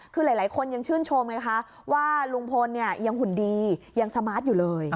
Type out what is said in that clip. คือหลายคนยังชื่นชมไงคะว่าลุงพลยังหุ่นดียังสมาร์ทอยู่เลย